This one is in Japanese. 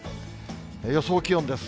予想気温です。